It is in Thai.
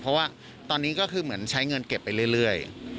เพราะว่าตอนนี้ก็คือเหมือนใช้เงินเก็บไปเรื่อย